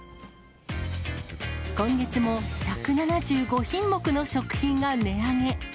今月も１７５品目の食品が値上げ。